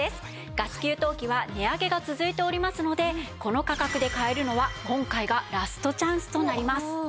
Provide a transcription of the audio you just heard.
ガス給湯器は値上げが続いておりますのでこの価格で買えるのは今回がラストチャンスとなります。